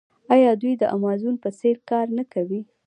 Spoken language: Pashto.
آیا دوی د امازون په څیر کار نه کوي؟